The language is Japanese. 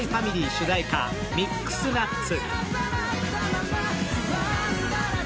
主題歌「ミックスナッツ」。